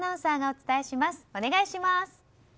お願いします。